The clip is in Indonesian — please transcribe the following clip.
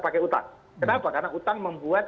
pakai utang kenapa karena utang membuat